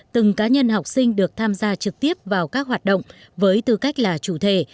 từng cá nhân học sinh được tham gia trực tiếp vào các hoạt động với tư cách là chủ thể